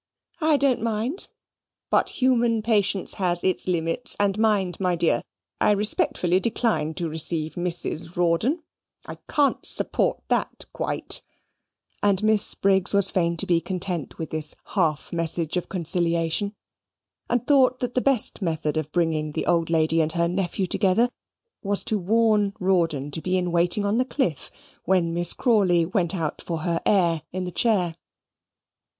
I don't mind. But human patience has its limits; and mind, my dear, I respectfully decline to receive Mrs. Rawdon I can't support that quite" and Miss Briggs was fain to be content with this half message of conciliation; and thought that the best method of bringing the old lady and her nephew together, was to warn Rawdon to be in waiting on the Cliff, when Miss Crawley went out for her air in her chair.